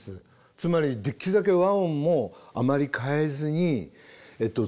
つまりできるだけ和音もあまり変えずに作ろう。